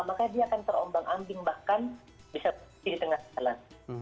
maka dia akan terombang ambing bahkan bisa berdiri di tengah jalan